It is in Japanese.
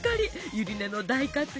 ゆり根の大活躍